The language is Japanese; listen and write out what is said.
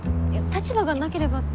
立場がなければ。